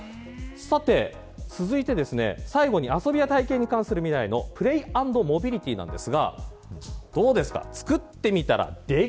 続いて、最後に遊びや体験に関する未来のプレイ＆モビリティです。